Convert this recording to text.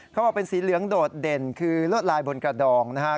เขาบอกเป็นสีเหลืองโดดเด่นคือลวดลายบนกระดองนะครับ